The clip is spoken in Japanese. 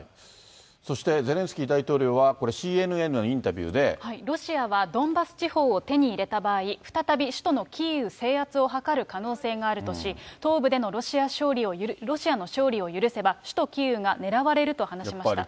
そしてゼレンスキー大統領はこれ、ロシアはドンバス地方を手に入れた場合、再び首都のキーウ制圧をはかる可能性があるとし、東部でのロシアの勝利を許せば、首都キーウが狙われると話しました。